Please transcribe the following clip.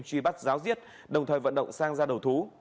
truy bắt giáo diết đồng thời vận động sang ra đầu thú